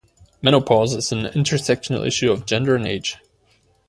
Menopause is an intersectional issue of gender and age.